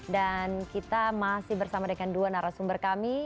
dan kita masih bersama dengan dua narasumber kami